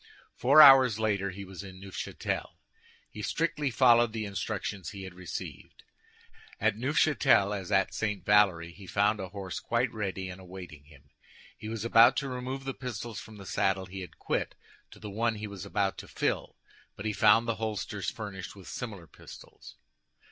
Four hours later he was in Neufchâtel. He strictly followed the instructions he had received. At Neufchâtel, as at St. Valery, he found a horse quite ready and awaiting him. He was about to remove the pistols from the saddle he had quit to the one he was about to fill, but he found the holsters furnished with similar pistols.